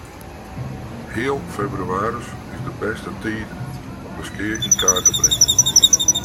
Heal febrewaris is de bêste tiid om de skea yn kaart te bringen.